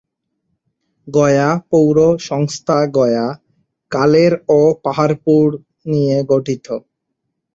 গয়া পৌর সংস্থা গয়া, কালের ও পাহাড়পুর নিয়ে গঠিত।